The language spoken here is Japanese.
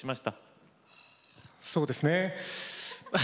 はぁそうですね。